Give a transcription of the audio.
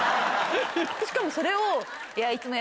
しかもそれを。ねぇ。